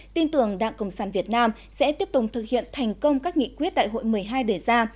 tin tưởng đảng cộng sản việt nam sẽ tiếp tục thực hiện thành công các nghị quyết đại hội một mươi hai đề ra